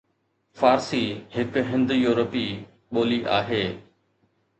فارسي هڪ هند-يورپي ٻولي آهي